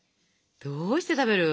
どうして食べる？